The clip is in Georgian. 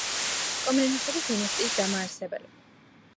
კომნენოსების დინასტიის დამაარსებელი.